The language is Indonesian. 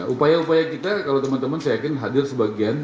upaya upaya kita kalau teman teman saya yakin hadir sebagian